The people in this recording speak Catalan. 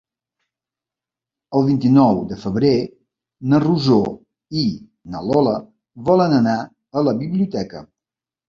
El vint-i-nou de febrer na Rosó i na Lola volen anar a la biblioteca.